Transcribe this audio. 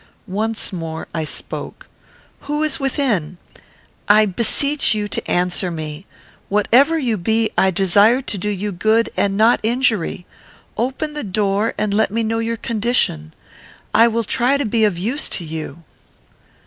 Once more I spoke: "Who is within? I beseech you answer me. Whatever you be, I desire to do you good and not injury. Open the door and let me know your condition. I will try to be of use to you."